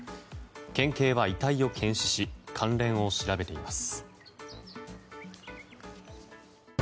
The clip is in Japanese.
県警は遺体を検視し関連を調べています。